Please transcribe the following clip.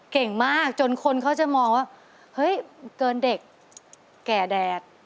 เก่งมากจนคนเขาจะมองว่าเฮ้ยเกินเด็กแก่แดด